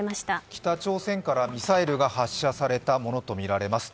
北朝鮮からミサイルが発射されたものとみられます。